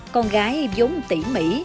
con gái dốn tỉ mỉ